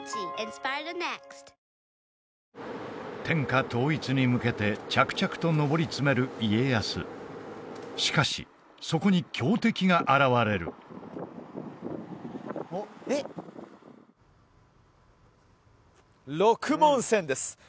天下統一に向けて着々と上り詰める家康しかしそこに強敵が現れる六文銭です